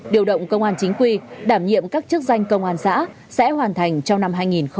điều động công an chính quy đảm nhiệm các chức danh công an xã sẽ hoàn thành trong năm hai nghìn hai mươi